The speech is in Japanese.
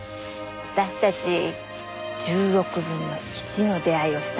私たち１０億分の１の出会いをしたんだね。